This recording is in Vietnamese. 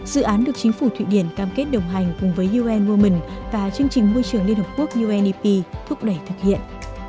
dự án được chính phủ thụy điển cam kết đồng hành cùng với un women và chương trình môi trường liên hợp quốc undp thúc đẩy thực hiện